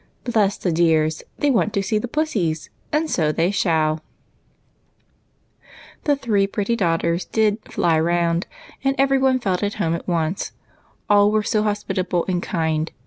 Bless the dears, they want to go see the pussies, and so they shall !" The three pretty daughters did " fly round," and every one felt at home at once, all were so hospitable and kind.